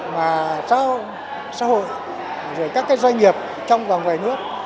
mà xã hội các doanh nghiệp trong và ngoài nước